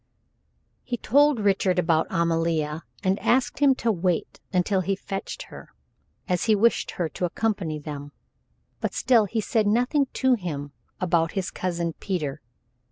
He told Richard about Amalia, and asked him to wait until he fetched her, as he wished her to accompany them, but still he said nothing to him about his cousin Peter.